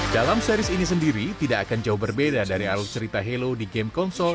dalam series ini sendiri tidak akan jauh berbeda dari arus cerita halo di game konsol